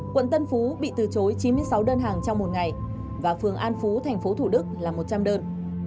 quận tân phú bị từ chối chín mươi sáu đơn hàng trong một ngày và phường an phú thành phố thủ đức là một trăm linh đơn